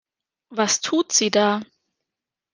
Was tut sie da?